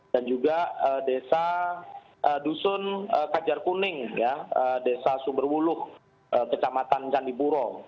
dan juga desa dusun kajar kuning ya desa suberwuluh kecamatan candiburo